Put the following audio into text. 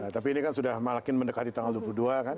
tapi ini kan sudah makin mendekati tanggal dua puluh dua kan